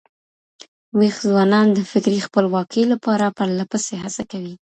ويښ ځوانان د فکري خپلواکۍ لپاره پرله پسې هڅه کوي.